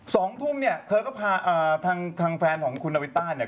สองทุ่มเนี่ยเธอก็พาอ่าทางทางแฟนของคุณนาวินต้าเนี่ย